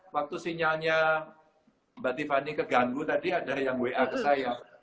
waktu sinyalnya mbak tiffany keganggu tadi ada yang wa ke saya